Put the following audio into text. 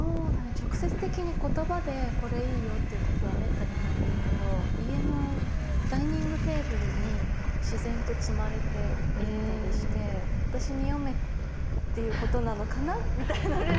直接的に言葉でこれいいよっていうことはめったにないんだけど家のダイニングテーブルに自然と積まれていったりして私に読めっていうことなのかなみたいな感じ。